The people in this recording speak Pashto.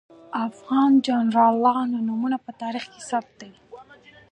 د افغان جنرالانو نومونه په تاریخ کې ثبت دي.